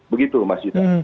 begitu mas juta